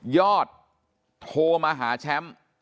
ยอดโทรมาหาแชมป์